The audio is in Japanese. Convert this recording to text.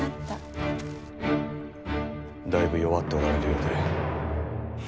だいぶ弱っておられるようで。